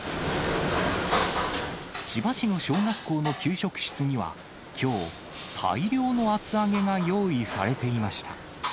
千葉市の小学校の給食室には、きょう、大量の厚揚げが用意されていました。